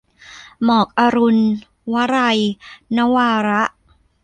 หมอกอรุณ - วลัย นวาระ